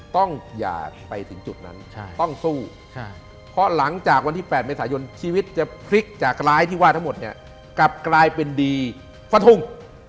ต้องอย่าไปถึงจุดนั้นต้องสู้เพราะหลังจากวันที่๘เมษายนชีวิตจะพลิกจากร้ายที่ว่าทั้งหมดเนี่ยกลับกลายเป็นดีฟะทุง